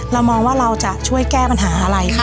เรามองว่าเราจะช่วยแก้ปัญหาอะไร